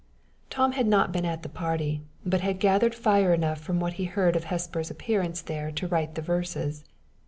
Tom had not been at the party, but had gathered fire enough from what he heard of Hesper's appearance there to write the verses.